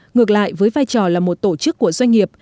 ngược lại với vai trò là một tổ chức của doanh nghiệp